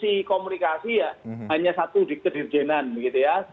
yang nguruskan komunikasi ya hanya satu di kedirjenan begitu ya